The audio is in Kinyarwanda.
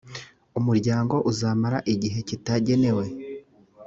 umuryango uzamara igihe kitagenewe